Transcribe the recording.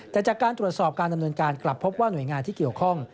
แต่จากการตรวจสอบการดำเนินการกลับพบว่าหน่วยงานที่เกี่ยวข้อง